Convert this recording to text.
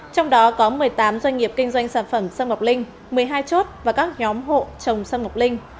trong đó có một mươi tám doanh nghiệp kinh doanh sản phẩm xâm ngọc linh một mươi hai chốt và các nhóm hộ trồng sâm ngọc linh